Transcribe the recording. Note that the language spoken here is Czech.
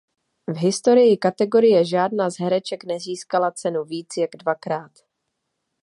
V historii kategorie žádná z hereček nezískala cenu víc jak dvakrát.